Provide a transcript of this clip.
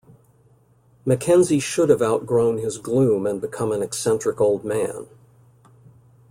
Mackenzie should have outgrown his gloom and become an eccentric old man.